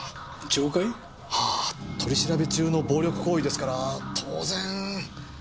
懲戒？はあ取り調べ中の暴力行為ですから当然。